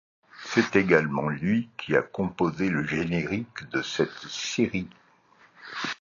C'est également lui qui a composé le générique de cette série.